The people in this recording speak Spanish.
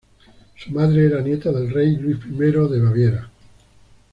Su madre era nieta del rey Luis I de Baviera.